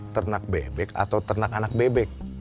ternak bebek atau ternak anak bebek